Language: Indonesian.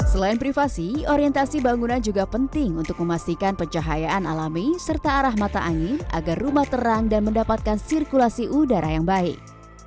selain privasi orientasi bangunan juga penting untuk memastikan pencahayaan alami serta arah mata angin agar rumah terang dan mendapatkan sirkulasi udara yang baik